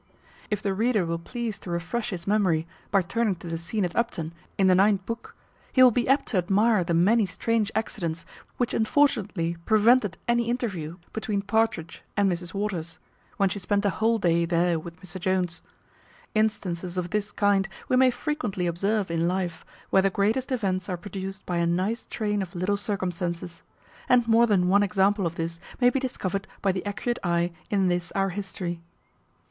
If the reader will please to refresh his memory, by turning to the scene at Upton, in the ninth book, he will be apt to admire the many strange accidents which unfortunately prevented any interview between Partridge and Mrs Waters, when she spent a whole day there with Mr Jones. Instances of this kind we may frequently observe in life, where the greatest events are produced by a nice train of little circumstances; and more than one example of this may be discovered by the accurate eye, in this our history.